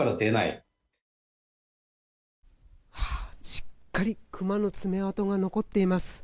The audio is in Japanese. しっかりクマの爪痕が残っています。